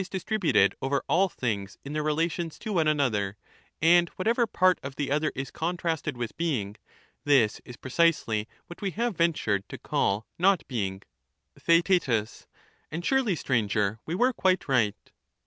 distributed over all things in their relations to one another, and whatever part of the other is contrasted with being, this is precisely what we have ventured to call not being. Theaet. And surely, Stranger, we were quite right.